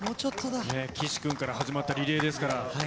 岸君から始まったリレーですから。